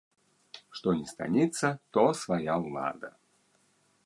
Што ні станіца, то свая ўлада.